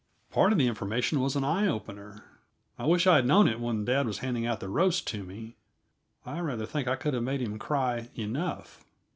Part of the information was an eye opener; I wished I had known it when dad was handing out that roast to me I rather think I could have made him cry enough.